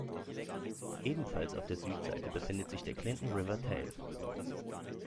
Ebenfalls auf der Südseite befindet sich der Clinton River Tail.